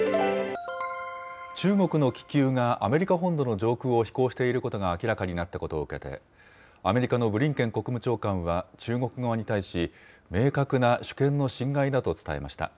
中国の気球がアメリカ本土の上空を飛行していることが明らかになったことを受けて、アメリカのブリンケン国務長官は中国側に対し、明確な主権の侵害だと伝えました。